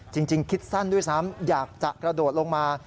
จริงคิดสั้นด้วยซ้ำอยากจะกระโดดลงมา